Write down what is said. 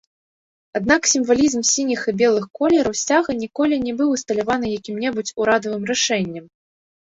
Аднак сімвалізм сініх і белых колераў сцяга ніколі не быў усталяваны якім-небудзь урадавым рашэннем.